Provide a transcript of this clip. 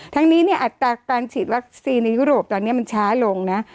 ทั้งนี้เนี่ยอัตราการฉีดวัคซีนในยุโรปตอนนี้มันช้าลงนะ